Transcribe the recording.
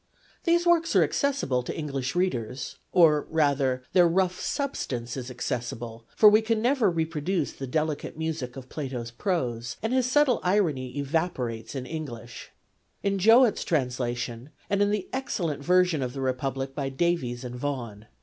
These works are accessible to English readers (or, rather, their rough substance is accessible, for we can never reproduce the delicate music of Plato's prose, and his subtle irony evaporates in English) in Jowett's translation, and in the excellent version of the Republic by Davies and Vaughan.